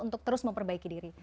untuk terus memperbaiki diri